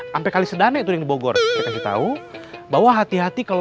sampai kalau sedane itu di bogor tahu bawah hati hati kalau berdua satu satu saja